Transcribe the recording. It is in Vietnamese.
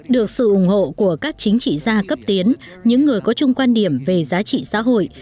được sự ủng hộ của các chính trị gia cấp tiến những người có chung quan điểm về giá trị xã hội